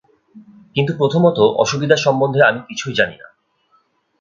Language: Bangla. কিন্তু প্রথমত অসুবিধা সম্বন্ধে আমি কিছুই জানি না।